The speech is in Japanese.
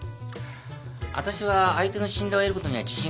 あたしは相手の信頼を得ることには自信があった。